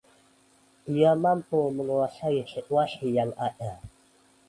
Dia mampu menguasai situasi yang ada.